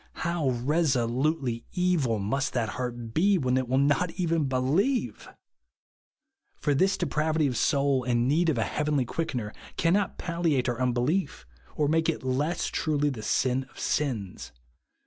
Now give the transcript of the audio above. Hov/ resolutely evil must that heart be, when it will not even believe ! For this depravity of soul and need of a heavenly Quickener, cannot palliate our unbelief, or make it less truly the sin of sins.